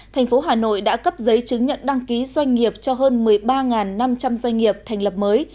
thành phố hà nội đã cấp giấy chứng nhận đăng ký doanh nghiệp cho hơn một mươi ba năm trăm linh doanh nghiệp thành lập mới